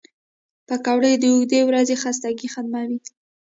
پکورې د اوږدې ورځې خستګي ختموي